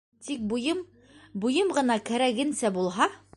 Тик буйым... буйым ғына кәрәгенсә булһа!